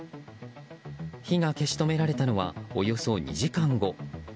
火が消し止められたのはおよそ２時間後。